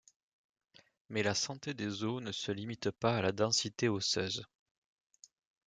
Mais la santé des os ne se limite pas à la densité osseuse.